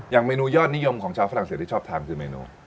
เมนูยอดนิยมของชาวฝรั่งเศที่ชอบทานคือเมนู